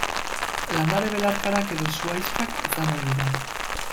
Landare belarkarak edo zuhaixkak izan ohi dira.